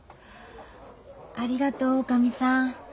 ありがとうおかみさん。